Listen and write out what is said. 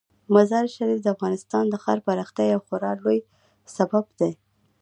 مزارشریف د افغانستان د ښاري پراختیا یو خورا لوی سبب دی.